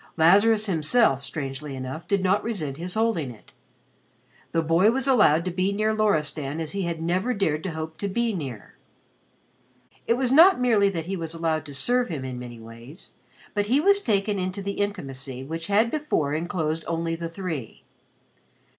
Lazarus himself, strangely enough, did not resent his holding it. The boy was allowed to be near Loristan as he had never dared to hope to be near. It was not merely that he was allowed to serve him in many ways, but he was taken into the intimacy which had before enclosed only the three.